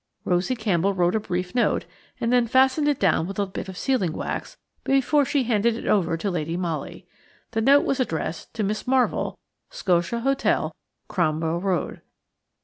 Rosie Campbell wrote a brief note, and then fastened it down with a bit of sealing wax before she handed it over to Lady Molly. The note was addressed to Miss Marvell, Scotia Hotel, Cromwell Road.